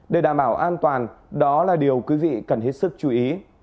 để đảm bảo an toàn đó là điều quý vị cần hết sức chú ý